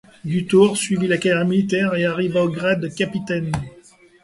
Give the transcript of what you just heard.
Du Tour suivit la carrière militaire et arriva au grade de capitaine.